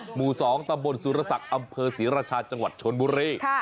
หมู่๒ตำบลสุรศักดิ์อำเภอศรีราชาจังหวัดชนบุรี